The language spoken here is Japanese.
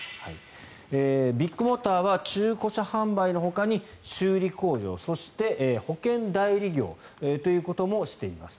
ビッグモーターは中古車販売のほかに修理工場、そして保険代理業ということもしています。